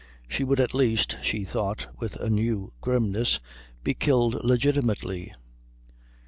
She would at least, she thought with a new grimness, be killed legitimately.